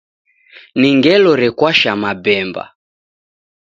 Ni ngelo rekwasha mabemba